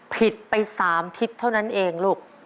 ผิดไป๓ทิศเท่านั้นเองลูก